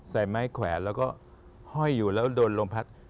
ใส่ไม้แขวนแล้วก็ห้อยอยู่แล้วโดนลมพัด